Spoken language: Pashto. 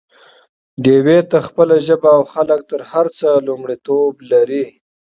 ډيوې ته خپله ژبه او خلک تر هر څه لومړيتوب لري